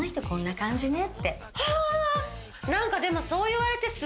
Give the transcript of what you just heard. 何かでも。